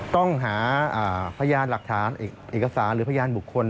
ต้องหาพยานหลักฐานเอกสารหรือพยานบุคคล